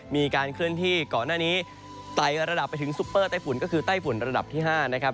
มีการเคลื่อนที่ก่อนหน้านี้ไตระดับไปถึงซุปเปอร์ไต้ฝุ่นก็คือไต้ฝุ่นระดับที่๕นะครับ